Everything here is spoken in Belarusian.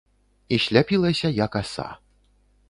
І сляпілася, як аса.